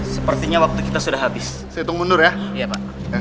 sepertinya waktu kita sudah habis setengah ya